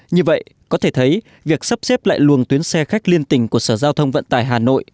như vậy có thể thấy việc sắp xếp lại luồng tuyến xe khách liên tình của sở giao thông vận tải hà nội